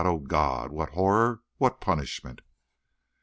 O God! What horror! What punishment!"